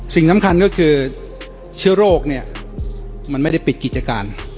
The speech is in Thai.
สิ่งสำคัญก็คือเชื้อโรคเนี่ยมันไม่ได้ปิดกิจการ